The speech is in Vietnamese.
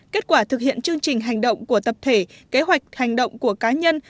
kết quả thực hiện chương trình hành động của tập thể kế hoạch hành động của cá nhân